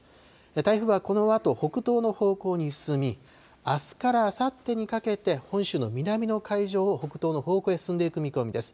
台風はこのあと北東の方向に進み、あすからあさってにかけて、本州の南の海上を北東の方向へ進んでいく見込みです。